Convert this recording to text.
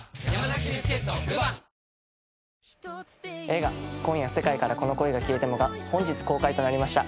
映画『今夜、世界からこの恋が消えても』が本日公開となりました。